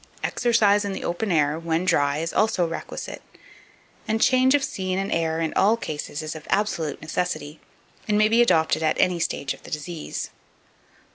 Exercise in the open air, when dry, is also requisite, and charge of scene and air in all cases is of absolute necessity, and may be adopted at any stage of the disease.